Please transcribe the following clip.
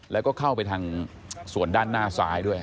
แล้วก็เข้าไปทางส่วนด้านหน้าซ้ายด้วย